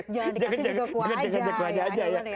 jangan dikasih juga kuah aja